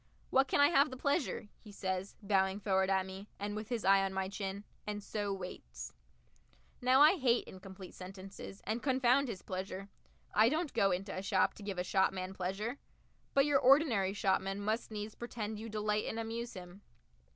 "What can I have the pleasure?" he says, bowing forward at me, and with his eye on my chin and so waits. Now I hate incomplete sentences, and confound his pleasure! I don't go into a shop to give a shopman pleasure. But your ordinary shopman must needs pretend you delight and amuse him.